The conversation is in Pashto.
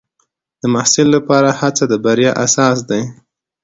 د محصل لپاره هڅه د بریا اساس دی.